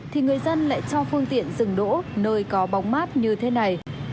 thì người dân lại cho phương tiện dừng đỗ nơi có bóng mát như thế này